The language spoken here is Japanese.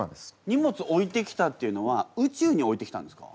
荷物置いてきたっていうのは宇宙に置いてきたんですか？